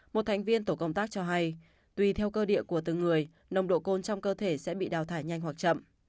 một thành viên tổ công tác cho hay tùy theo cơ địa của từng người nồng độ côn trong cơ thể sẽ bị đào thải nhanh hoặc chậm